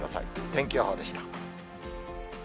天気予報でした。